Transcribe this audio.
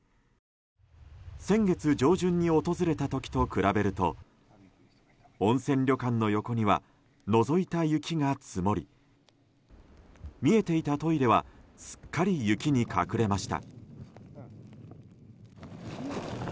先月上旬に訪れた時と比べると温泉旅館の横には除いた雪が積もり見えていたトイレはすっかり雪に隠れました。